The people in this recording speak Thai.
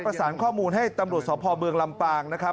ประสานข้อมูลให้ตำรวจสพเมืองลำปางนะครับ